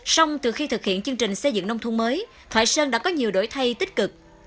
sông từ khi thực hiện chương trình xây dựng nông thôn mới thoại sơn đã có nhiều đổi thay tích cực